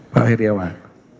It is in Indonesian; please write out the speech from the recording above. pak heri awan